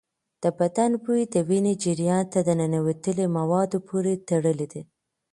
د بدن بوی د وینې جریان ته ننوتلي مواد پورې تړلی دی.